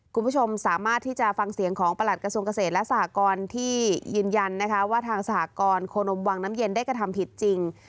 คุณผู้ชมสามารถที่จะฟังเสียงของประหลัดกระทรวงเกษตรและสหกรที่ยืนยันนะคะว่าทางสหกรโคนมวังน้ำเย็นได้กระทำผิดจริง